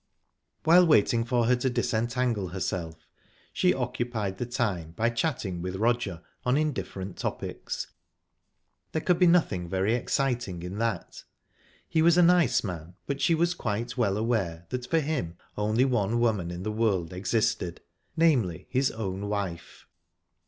While waiting for her to disentangle herself, she occupied the time by chatting with Roger on indifferent topics. There could be nothing very exciting in that; he was a nice man, but she was quite well aware that for him only one woman in the world existed namely, his own wife.